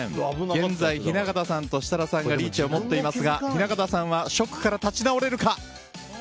現在、雛形さんと設楽さんがリーチを持っていますが雛形さんはショックから立ち直れるか。